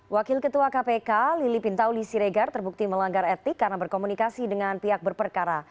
wakil ketua kpk lili pintauli siregar terbukti melanggar etik karena berkomunikasi dengan pihak berperkara